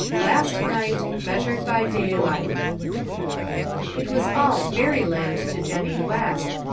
LAST NIGHT " MEASUEED BY DAYLIGHT. was all Fairyland to Jennie West.